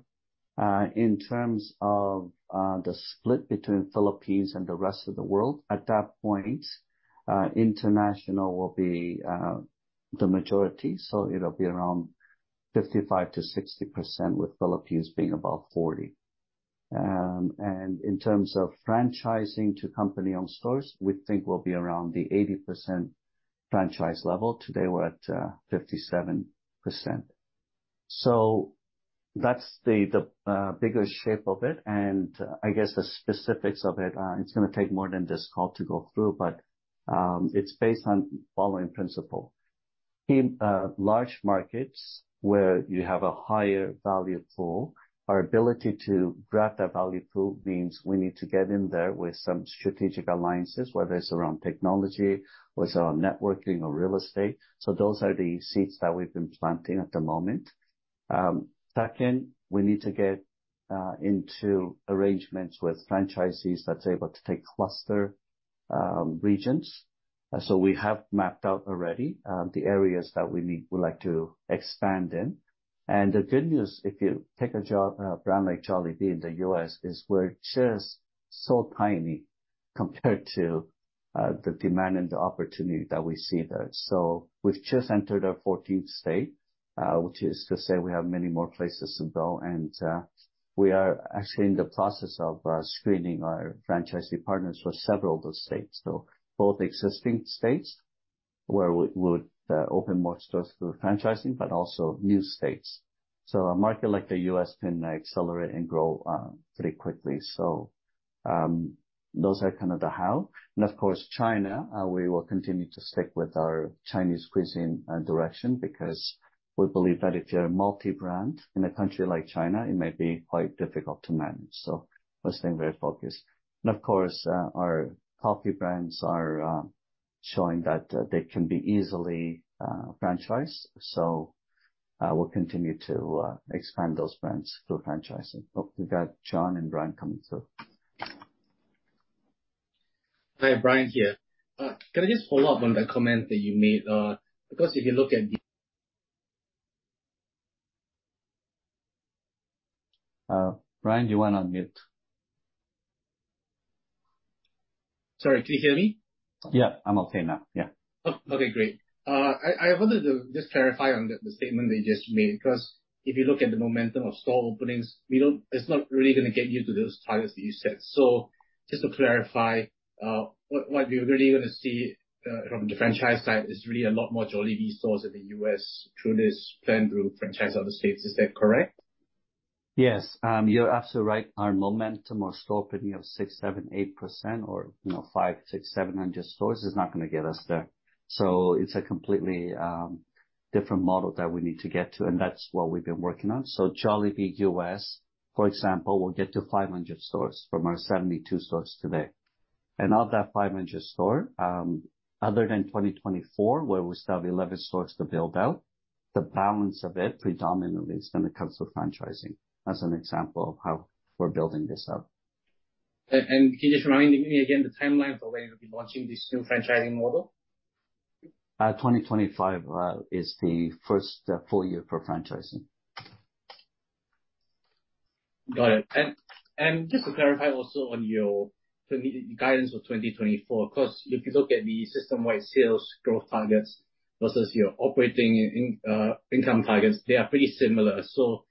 In terms of the split between Philippines and the rest of the world, at that point, international will be the majority. So it'll be around 55%-60% with Philippines being about 40%. And in terms of franchising to company-owned stores, we think we'll be around the 80% franchise level. Today, we're at 57%. So that's the bigger shape of it. And I guess the specifics of it, it's going to take more than this call to go through, but it's based on following principle. Large markets where you have a higher value pool, our ability to grab that value pool means we need to get in there with some strategic alliances, whether it's around technology or it's around networking or real estate. So those are the seeds that we've been planting at the moment. Second, we need to get into arrangements with franchisees that's able to take cluster regions. So we have mapped out already the areas that we need, we'd like to expand in. And the good news, if you take a look at a brand like Jollibee in the U.S. is we're just so tiny compared to the demand and the opportunity that we see there. So we've just entered our 14th state, which is to say we have many more places to go. And we are actually in the process of screening our franchisee partners for several of those states. So both existing states where we would open more stores through franchising, but also new states. So a market like the U.S. can accelerate and grow pretty quickly. So those are kind of the how. And of course, China, we will continue to stick with our Chinese cuisine direction because we believe that if you're a multi-brand in a country like China, it may be quite difficult to manage. So we're staying very focused. And of course, our coffee brands are showing that they can be easily franchised. So we'll continue to expand those brands through franchising. Oh, we got John and Brian coming through. Hi, Brian here. Can I just follow up on that comment that you made? Because if you look at the, Brian, you went on mute. Sorry, can you hear me? Yeah, I'm okay now. Yeah. Okay, great. I wanted to just clarify on the statement that you just made because if you look at the momentum of store openings, it's not really going to get you to those targets that you set. So just to clarify, what you're really going to see from the franchise side is really a lot more Jollibee stores in the U.S. through this plan through franchise out of the states. Is that correct? Yes, you're absolutely right. Our momentum or store opening of 6%-8% or 500-700 stores is not going to get us there. So it's a completely different model that we need to get to. And that's what we've been working on. So Jollibee U.S., for example, will get to 500 stores from our 72 stores today. And of that 500 stores, other than 2024 where we still have 11 stores to build out, the balance of it predominantly is going to come through franchising as an example of how we're building this up. Can you just remind me again the timeline for when you'll be launching this new franchising model? 2025 is the first full year for franchising. Got it. Just to clarify also on your guidance for 2024, because if you look at the system-wide sales growth targets versus your operating income targets, they are pretty similar. So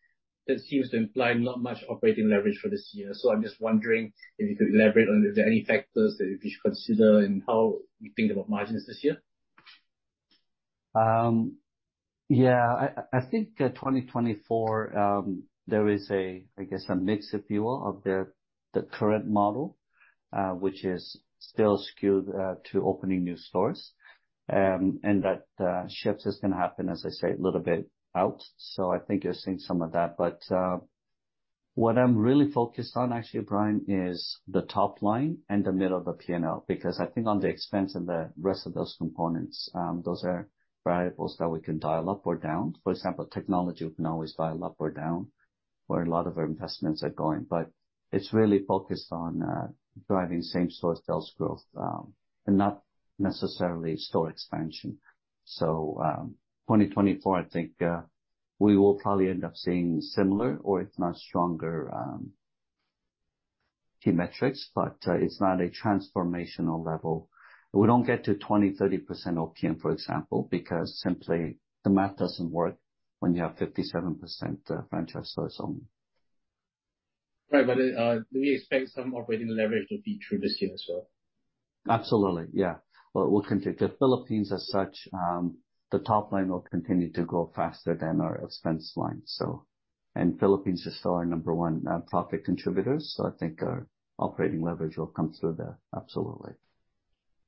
that seems to imply not much operating leverage for this year. So I'm just wondering if you could elaborate on if there are any factors that we should consider and how we think about margins this year. Yeah, I think 2024, there is a, I guess, a mix if you will, of the current model, which is still skewed to opening new stores. That shift is going to happen, as I say, a little bit out. So I think you're seeing some of that. But what I'm really focused on, actually, Brian, is the top line and the middle of the P&L because I think on the expense and the rest of those components, those are variables that we can dial up or down. For example, technology, we can always dial up or down where a lot of our investments are going. But it's really focused on driving same store sales growth and not necessarily store expansion. So 2024, I think we will probably end up seeing similar or if not stronger key metrics, but it's not a transformational level. We don't get to 20%-30% OPM, for example, because simply the math doesn't work when you have 57% franchise stores only. Right, but do we expect some operating leverage to feature this year as well? Absolutely. Yeah. Well, we'll continue to the Philippines as such, the top line will continue to grow faster than our expense line. And Philippines is still our number one profit contributor. So I think our operating leverage will come through there. Absolutely.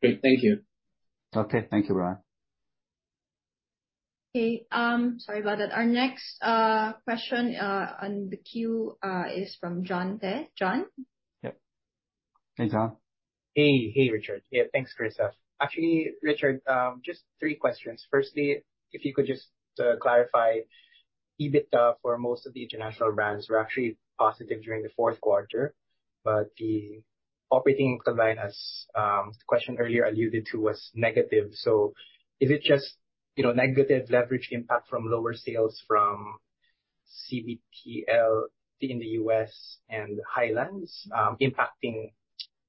Great. Thank you. Okay, thank you, Brian. Okay. Sorry about that. Our next question on the queue is from John there. John? Hey, John. Hey, Richard. Yeah, thanks, Chris. Actually, Richard, just three questions. Firstly, if you could just clarify, EBITDA for most of the international brands were actually positive during the fourth quarter. But the operating income line, as the question earlier alluded to, was negative. So is it just negative leverage impact from lower sales from CBTL in the U.S. and Highlands impacting,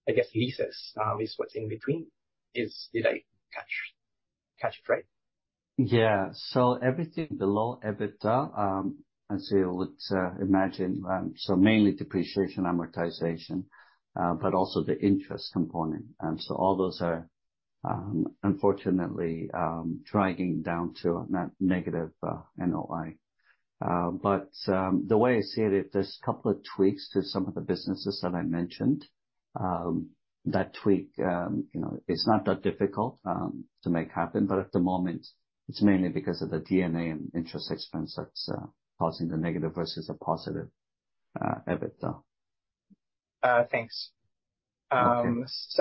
I guess, leases is what's in between? Did I catch it right? Yeah. So everything below EBITDA, as you would imagine, so mainly depreciation, amortization, but also the interest component. So all those are unfortunately dragging down to that negative NOI. But the way I see it, if there's a couple of tweaks to some of the businesses that I mentioned, that tweak, it's not that difficult to make happen. But at the moment, it's mainly because of the DA and interest expense that's causing the negative versus a positive EBITDA. Thanks.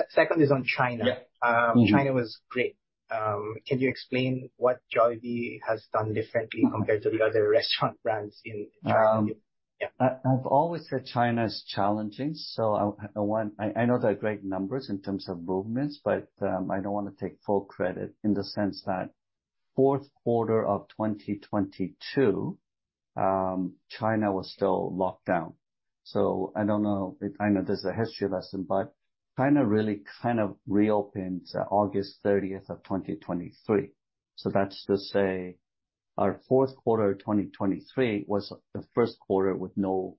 Second is on China. China was great. Can you explain what Jollibee has done differently compared to the other restaurant brands in China? Yeah. I've always said China is challenging. So I know they're great numbers in terms of movements, but I don't want to take full credit in the sense that fourth quarter of 2022, China was still locked down. So I don't know. I know there's a history lesson, but China really kind of reopened August 30th of 2023. So that's to say our fourth quarter of 2023 was the first quarter with no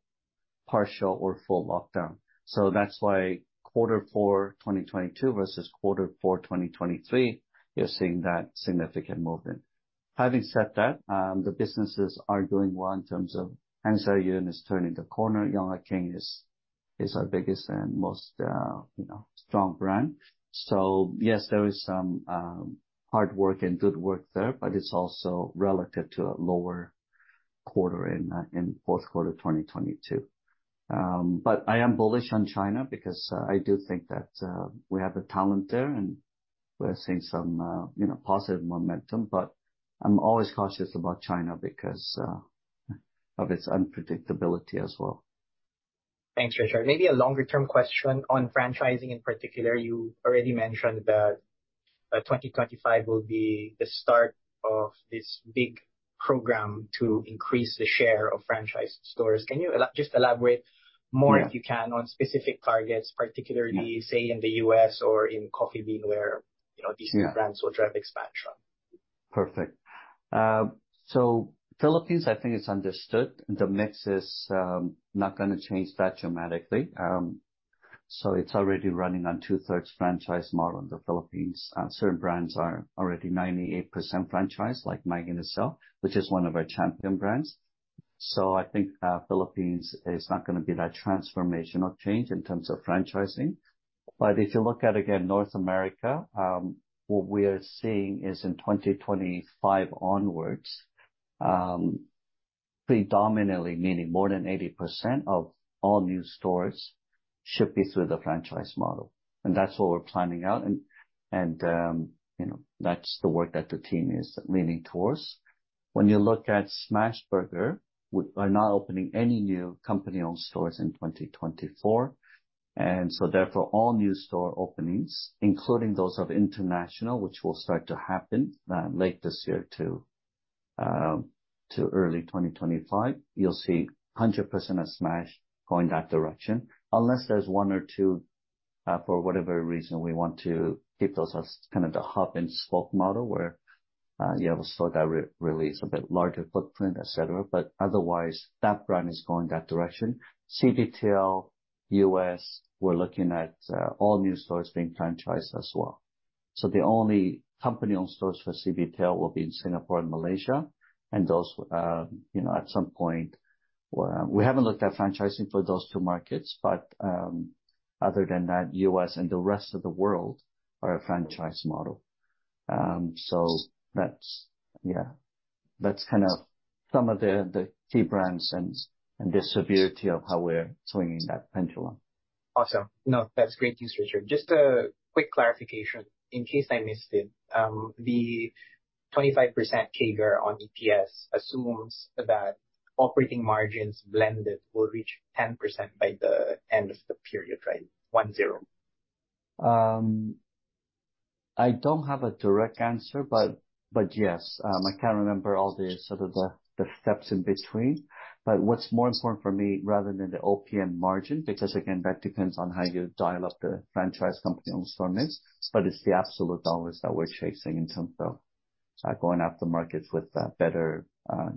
partial or full lockdown. So that's why quarter four 2022 versus quarter four 2023, you're seeing that significant movement. Having said that, the businesses are doing well in terms of Hong Zhuang Yuan is turning the corner. Yonghe King is our biggest and most strong brand. So yes, there is some hard work and good work there, but it's also relative to a lower quarter in fourth quarter 2022. But I am bullish on China because I do think that we have the talent there and we're seeing some positive momentum. But I'm always cautious about China because of its unpredictability as well. Thanks, Richard. Maybe a longer-term question on franchising in particular. You already mentioned that 2025 will be the start of this big program to increase the share of franchised stores. Can you just elaborate more if you can on specific targets, particularly, say, in the U.S. or in Coffee Bean where these new brands will drive expansion? Perfect. So Philippines, I think it's understood. The mix is not going to change that dramatically. So it's already running on 2/3 franchise model in the Philippines. Certain brands are already 98% franchised, like Mang Inasal and Chowking, which is one of our champion brands. So I think Philippines is not going to be that transformational change in terms of franchising. But if you look at, again, North America, what we are seeing is in 2025 onwards, predominantly, meaning more than 80% of all new stores should be through the franchise model. And that's what we're planning out. That's the work that the team is leaning towards. When you look at Smashburger, we are not opening any new company-owned stores in 2024. So therefore, all new store openings, including those of international, which will start to happen late this year to early 2025, you'll see 100% of Smashburger going that direction, unless there's one or two for whatever reason we want to keep those as kind of the hub and spoke model where you have a store that releases a bit larger footprint, etc. But otherwise, that brand is going that direction. CBTL U.S., we're looking at all new stores being franchised as well. So the only company-owned stores for CBTL will be in Singapore and Malaysia. And those, at some point, we haven't looked at franchising for those two markets, but other than that, U.S. and the rest of the world are a franchise model. So yeah, that's kind of some of the key brands and the severity of how we're swinging that pendulum. Awesome. No, that's great news, Richard. Just a quick clarification in case I missed it. The 25% CAGR on EPS assumes that operating margins blended will reach 10% by the end of the period, right? 1-0? I don't have a direct answer, but yes. I can't remember all the sort of the steps in between. But what's more important for me rather than the OPM margin, because again, that depends on how you dial up the franchise company-owned store mix, but it's the absolute dollars that we're chasing in terms of going after markets with better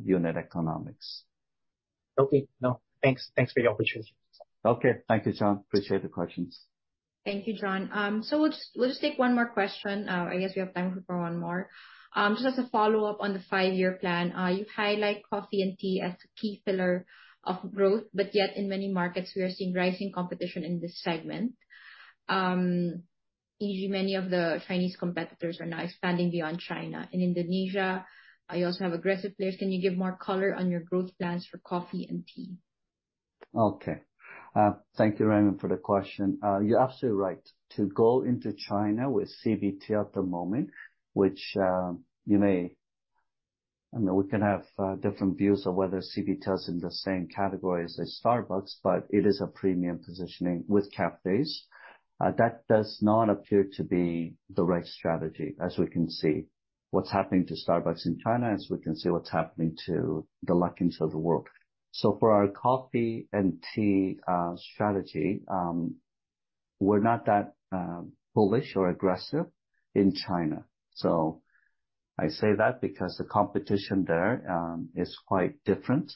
unit economics. Okay. No, thanks. Thanks for the opportunity. Okay. Thank you, John. Appreciate the questions. Thank you, John. So we'll just take one more question. I guess we have time for one more. Just as a follow-up on the five-year plan, you highlight coffee and tea as the key pillar of growth, but yet in many markets, we are seeing rising competition in this segment. Easily, many of the Chinese competitors are now expanding beyond China. In Indonesia, you also have aggressive players. Can you give more color on your growth plans for coffee and tea? Okay. Thank you, Raymond, for the question. You're absolutely right. To go into China with CBTL at the moment, which you may I mean, we can have different views of whether CBTL is in the same category as Starbucks, but it is a premium positioning with cafes. That does not appear to be the right strategy as we can see what's happening to Starbucks in China as we can see what's happening to the Luckin Coffee. So for our coffee and tea strategy, we're not that bullish or aggressive in China. So I say that because the competition there is quite different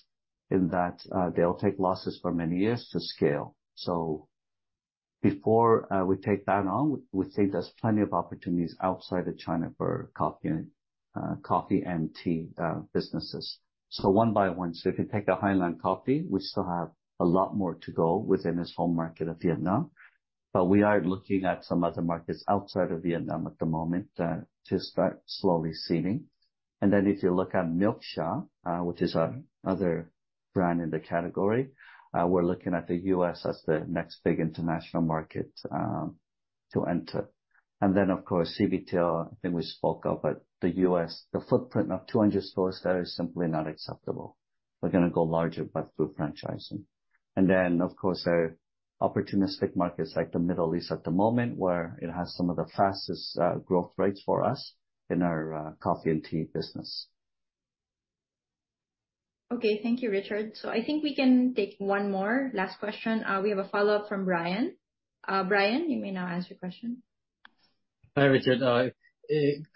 in that they'll take losses for many years to scale. So before we take that on, we think there's plenty of opportunities outside of China for coffee and tea businesses. So one by one. So if you take a Highlands Coffee, we still have a lot more to go within its home market of Vietnam. But we are looking at some other markets outside of Vietnam at the moment to start slowly seeding. And then if you look at Milksha, which is another brand in the category, we're looking at the U.S. as the next big international market to enter. And then, of course, CBTL, I think we spoke of, but the U.S., the footprint of 200 stores there is simply not acceptable. We're going to go larger but through franchising. And then, of course, there are opportunistic markets like the Middle East at the moment where it has some of the fastest growth rates for us in our coffee and tea business. Okay. Thank you, Richard. So I think we can take one more last question. We have a follow-up from Brian. Brian, you may now answer your question. Hi, Richard.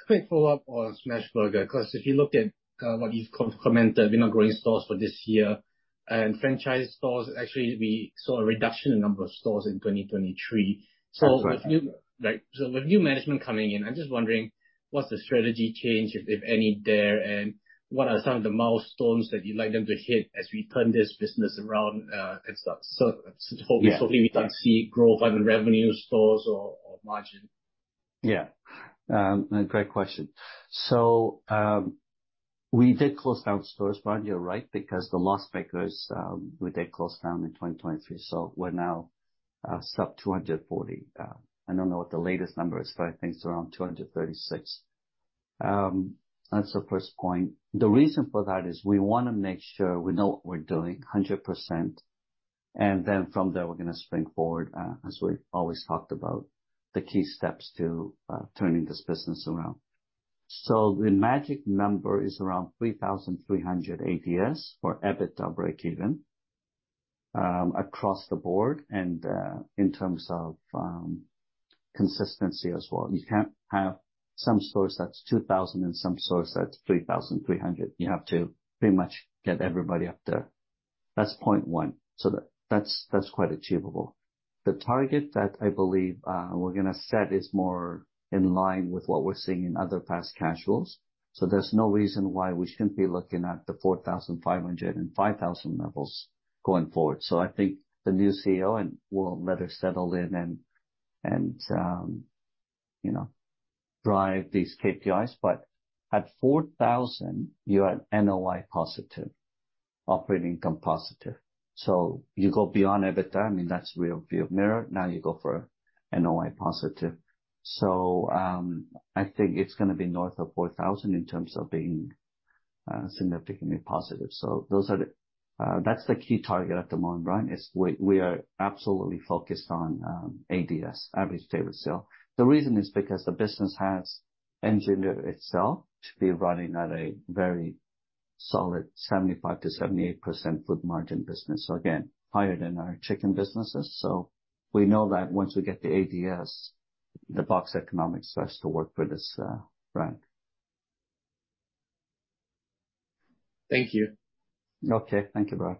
Quick follow-up on Smashburger because if you look at what you've commented, we're not growing stores for this year. Franchise stores, actually, we saw a reduction in the number of stores in 2023. So with new management coming in, I'm just wondering, what's the strategy change, if any, there? And what are some of the milestones that you'd like them to hit as we turn this business around and stuff? So hopefully, we don't see growth on revenue stores or margin. Yeah. Great question. So we did close down stores, Brian. You're right because the loss makers, we did close down in 2023. So we're now sub 240. I don't know what the latest number is, but I think it's around 236. That's the first point. The reason for that is we want to make sure we know what we're doing 100%. Then from there, we're going to spring forward, as we always talked about, the key steps to turning this business around. So the magic number is around 3,300 ADS or EBITDA break-even across the board and in terms of consistency as well. You can't have some stores that's 2,000 and some stores that's 3,300. You have to pretty much get everybody up there. That's point one. So that's quite achievable. The target that I believe we're going to set is more in line with what we're seeing in other fast casuals. So there's no reason why we shouldn't be looking at the 4,500 and 5,000 levels going forward. So I think the new CEO will let her settle in and drive these KPIs. But at 4,000, you're at NOI positive, operating income positive. So you go beyond EBITDA. I mean, that's real view of the matter. Now you go for NOI positive. So I think it's going to be north of 4,000 in terms of being significantly positive. So that's the key target at the moment, Brian, is we are absolutely focused on ADS, average daily sales. The reason is because the business has engineered itself to be running at a very solid 75%-78% food margin business. So again, higher than our chicken businesses. So we know that once we get the ADS, the box economics starts to work for this brand. Thank you. Okay. Thank you, Brian.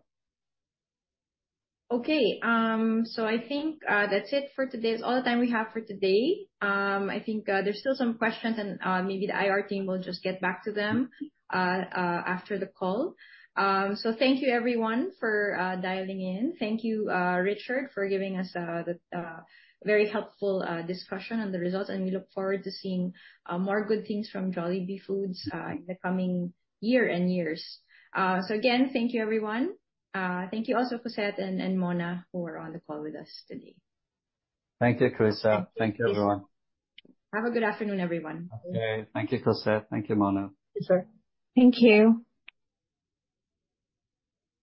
Okay. So I think that's it for today. It's all the time we have for today. I think there's still some questions, and maybe the IR team will just get back to them after the call. So thank you, everyone, for dialing in. Thank you, Richard, for giving us the very helpful discussion and the results. And we look forward to seeing more good things from Jollibee Foods in the coming year and years. So again, thank you, everyone. Thank you also to Cosette and Mona who are on the call with us today. Thank you, Chris. Thank you, everyone. Have a good afternoon, everyone. Okay. Thank you, Cosette. Thank you, Mona. Thank you.